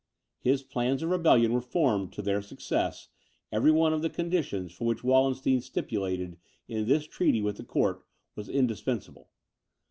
His plans of rebellion were formed, to their success, every one of the conditions for which Wallenstein stipulated in this treaty with the court, was indispensable.